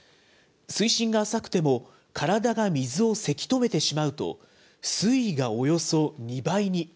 水深が浅くても、体が水をせき止めてしまうと、水位がおよそ２倍に。